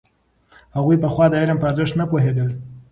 هغوی پخوا د علم په ارزښت نه پوهېدل.